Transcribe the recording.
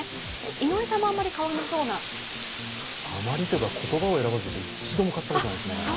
井上さんもあまり買わなそうなあまりというか、言葉を選ばず言うと一度も買ったことがないですね。